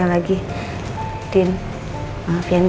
udah gitu banente iya